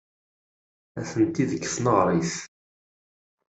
Atenti deg tneɣrit.